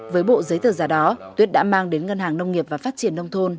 với bộ giấy tờ giả đó tuyết đã mang đến ngân hàng nông nghiệp và phát triển nông thôn